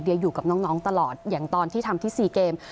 เดี๋ยวอยู่กับน้องตลอดอย่างตอนที่ทำที่๔เกม